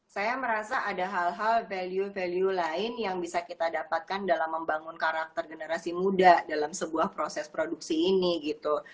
saya merasa ada hal hal value value lain yang bisa kita dapatkan dalam membangun karakter generasi muda dalam sebuah proses produksi ini gitu